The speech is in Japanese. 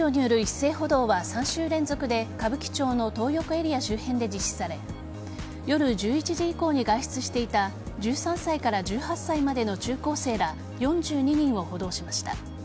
警視庁による一斉補導は３週連続で歌舞伎町のトー横エリア周辺で実施され夜１１時以降に外出していた１３歳から１８歳までの中高生ら４２人を補導しました。